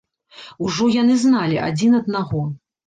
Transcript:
Ужо яны зналі адзін аднаго.